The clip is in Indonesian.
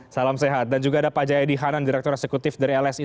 salam sehat dan juga ada pak jayadi hanan direktur eksekutif dari lsi